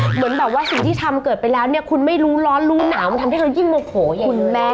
เหมือนแบบว่าสิ่งที่ทำเกิดไปแล้วเนี่ยคุณไม่รู้ร้อนรู้หนาวมันทำให้เรายิ่งโมโหอย่างคุณแม่